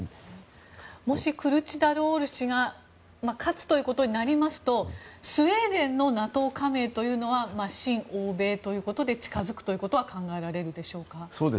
もしクルチダルオール氏が勝つということになりますとスウェーデンのＮＡＴＯ加盟というのは親欧米ということで近づくことは考えられるでしょうか。